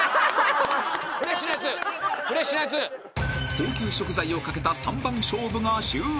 ［高級食材を懸けた３番勝負が終了］